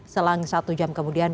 selang satu jam kemudian